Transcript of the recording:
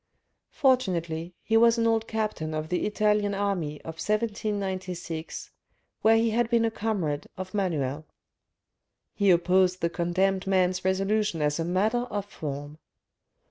Fortunately, he was an old captain of the Italian army of 1796, where he had been a comrade of Manuel. He opposed the condemned man's resolution as a matter of form.